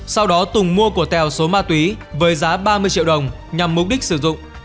sau đó tùng mua của tèo số ma túy với giá ba mươi triệu đồng nhằm mục đích sử dụng